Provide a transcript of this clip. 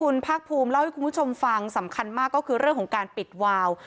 คุณภาคภูมิเล่าให้คุณผู้ชมฟังสำคัญมากก็คือเรื่องของการปิดวาว